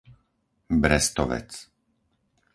Brestovec